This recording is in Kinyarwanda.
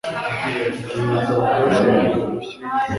igihe ibitabo byashoboraga gushya